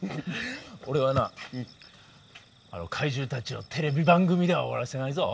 俺はな怪獣たちをテレビ番組では終わらせないぞ。